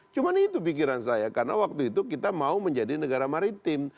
cuma itu pikiran saya karena waktu itu kita mau menjadi negara maritim